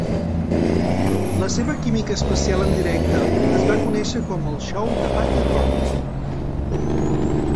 La seva química especial en directe es va conèixer com el "xou de Pat i Ron".